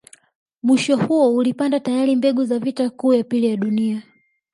Mwisho huo ulipanda tayari mbegu za vita kuu ya pili ya dunia